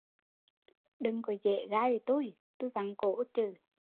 Đừng có dễ ngai với tui, tui vặn cổ chừ